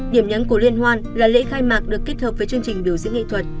điểm nhấn của liên hoan là lễ khai mạc được kết hợp với chương trình biểu diễn nghệ thuật